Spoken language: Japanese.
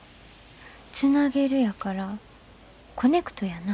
つなげるやからコネクトやな。